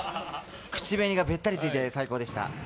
口紅がべったりついてて最高でした。